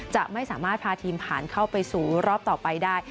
จะไม่สามารถพาทีมผ่านเข้าไปสู่รอบต่อไปได้